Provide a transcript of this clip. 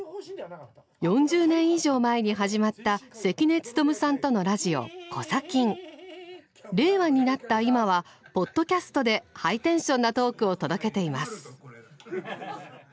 ４０年以上前に始まった令和になった今はポッドキャストでハイテンションなトークを届けています。